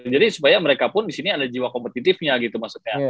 jadi supaya mereka pun disini ada jiwa kompetitifnya gitu maksudnya